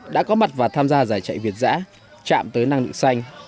đã có mặt và tham gia giải chạy việt giã chạm tới năng lượng xanh